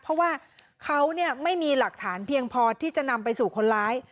เพราะว่าเขาไม่มีหลักฐานเพียงพอที่จะนำไปสู่คนร้าย